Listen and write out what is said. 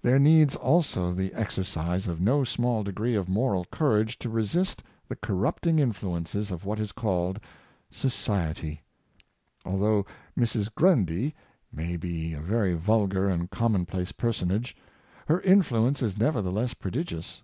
There needs also the exercise of no small degree of moral courage to resist the corrupting influences of what is called " Society " Although " Mrs. Grundy " may be a very vulgar and commonplace personage, her inliucnce is nevertheless prodigious.